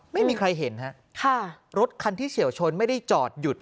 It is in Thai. ไม่มีใครเห็นฮะค่ะรถคันที่เฉียวชนไม่ได้จอดหยุด